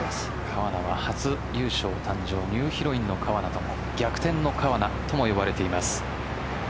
川奈は初優勝誕生ニューヒロインの川奈と逆転の川奈とも呼ばれています。